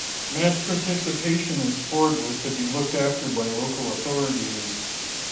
Mass-participation in sport was to be looked after by local authorities.